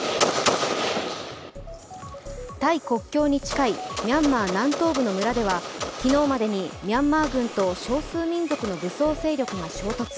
タイ国境に近いミャンマー南東部の村では、昨日までにミャンマー軍と少数民族の武装勢力が衝突。